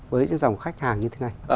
với dòng khách hàng như thế này